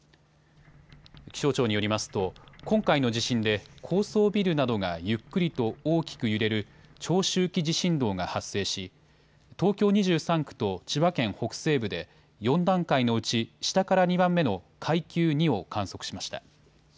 気象庁によりますと今回の地震で高層ビルなどがゆっくりと大きく揺れる長周期地震動が発生し東京２３区と千葉県北西部で４段階のうち下から２番目の階級２を観測しました。